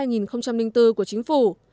năm hai nghìn bốn của chính phủ